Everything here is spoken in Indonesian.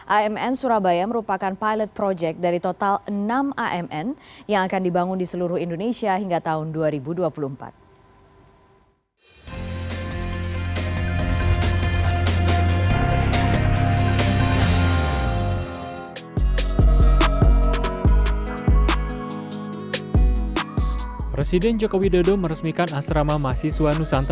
amn surabaya merupakan pilot project dari total enam amn yang akan dibangun di seluruh indonesia hingga tahun dua ribu dua puluh empat